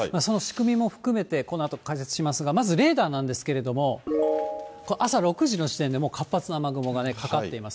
その仕組みも含めて、このあと解説しますが、まずレーダーなんですけれども、朝６時の時点で、もう活発な雨雲がかかっています。